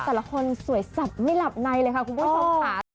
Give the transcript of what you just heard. แต่ละคนสวยสับไม่หลับในเลยค่ะคุณผู้ชมค่ะ